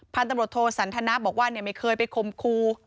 พันธุ์ตำรวจโทสันทนะบอกว่าไม่เคยไปคมครู